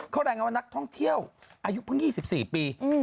เขารายงานว่านักท่องเที่ยวอายุเพิ่ง๒๔ปี